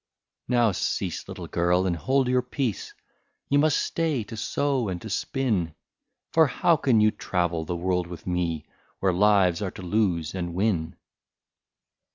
" Now cease, little girl, and hold your peace ; You must stay to sew and to spin ; For how can you travel the world with me, Where lives are to lose and win